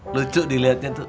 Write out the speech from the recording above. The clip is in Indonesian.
lucu dilihatnya tuh